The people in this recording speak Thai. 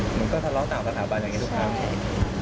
มันก็ทะเลาะต่างสถาบันอย่างนี้ทุกครั้งไหม